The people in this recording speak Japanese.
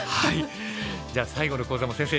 じゃあ最後の講座も先生